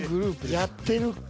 やってるか？